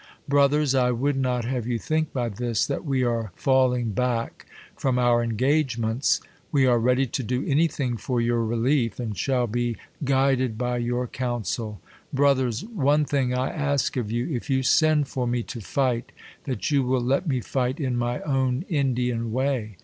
Brothers ! I would not have you think by this, that we are falling back from our engagements. We are * ready to do any thing for your relief, and shall be gui ded by your counsel. Brothers! one diing I ask of you, if you send for ine to fight, that you will let me fight in my own Indian way.